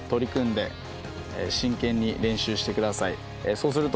そうすると。